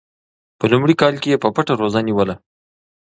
په لومړي کال کې یې په پټه روژه نیوله.